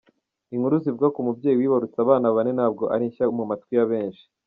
Inkuru zivuga ku mubyeyi wibarutse abana bane ntabwo ari nshya mu matwi ya benshi.